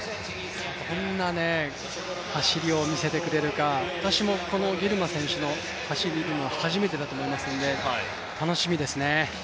どんな走りを見せてくれるか私もギルマ選手の走りを見るのは初めてだと思いますので楽しみですね。